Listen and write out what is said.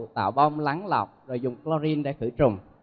tạo bom lắng lọc rồi dùng chlorin để khử trùng